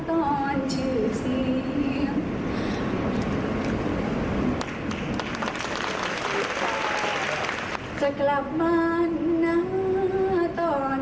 ท่านเหมาะแย้งมากแย้งมากต่อมา